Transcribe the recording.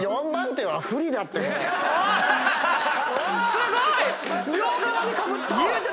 ４番手は不利だってこれ。